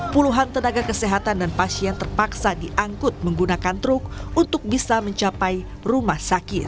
puluhan tenaga kesehatan dan pasien terpaksa diangkut menggunakan truk untuk bisa mencapai rumah sakit